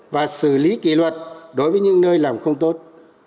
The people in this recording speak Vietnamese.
và xử lý kỷ luật đối với những nơi làm không tốt